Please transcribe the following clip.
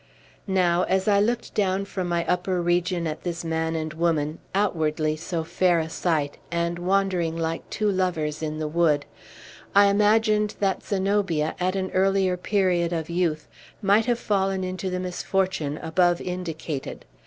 Now, as I looked down from my upper region at this man and woman, outwardly so fair a sight, and wandering like two lovers in the wood, I imagined that Zenobia, at an earlier period of youth, might have fallen into the misfortune above indicated.